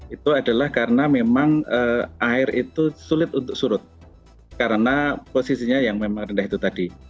itu adalah karena memang air itu sulit untuk surut karena posisinya yang memang rendah itu tadi